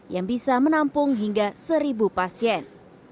yang bisa menampung hingga seribu pasien